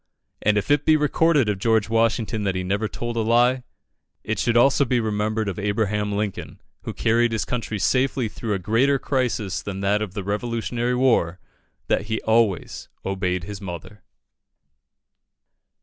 And if it be recorded of George Washington that he never told a lie, it should also be remembered of Abraham Lincoln, who carried his country safely through a greater crisis than that of the Revolutionary War, that he always obeyed his mother.